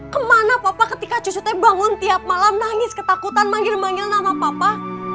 kemana papa ketika cucu teh bangun tiap malam nangis ketakutan manggil manggil nama papa